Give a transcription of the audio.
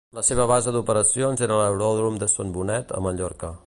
La seva base d'operacions era l'Aeròdrom de Son Bonet, a Mallorca.